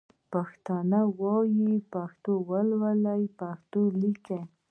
پښتو وايئ ، پښتو لولئ ، پښتو ليکئ